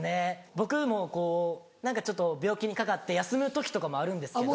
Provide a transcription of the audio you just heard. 僕も何かちょっと病気にかかって休む時とかもあるんですけど。